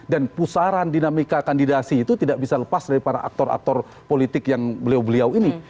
dan pusaran dinamika kandidasi itu tidak bisa lepas dari para aktor aktor politik yang beliau beliau ini